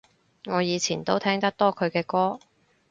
我以前都聽得多佢嘅歌